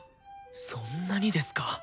そんなにですか！